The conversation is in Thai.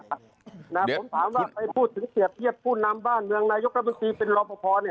ถ้าผมถามว่าใครพูดถึงเกียรติพูดน้ำบ้านเมืองนายกรบินทรีย์เป็นรอปภ